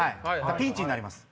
ピンチになります。